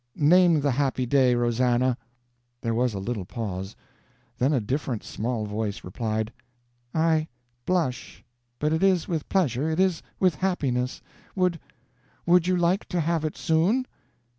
"Name the happy day, Rosannah!" There was a little pause. Then a diffident small voice replied, "I blush but it is with pleasure, it is with happiness. Would would you like to have it soon?"